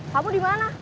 kamu di mana